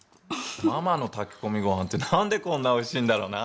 ママの炊き込みご飯って何でこんなおいしいんだろうな？